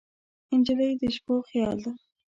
نجلۍ د شپو خیال ده.